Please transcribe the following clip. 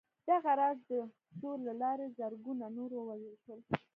دغه راز د زور له لارې زرګونه نور ووژل شول